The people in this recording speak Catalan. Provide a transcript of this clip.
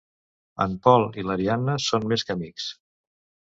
En Pol i l'Ariadna són més que amics.